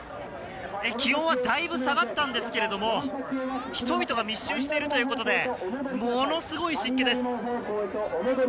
気温はだいぶ下がったんですが人々が密集しているということでものすごい湿気です。